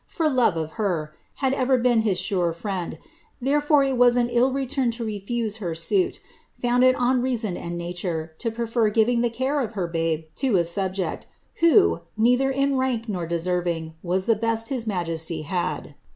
for love of her, had ever been his sure friend, therefore it was an ill return to refuse her suit, founded on reason and nature, to prefer giving the care of her babe to a subject, who, neither in rank nor deserving, was the best his majesty had.'